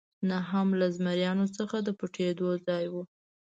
نه هم له زمریانو څخه د پټېدو ځای و.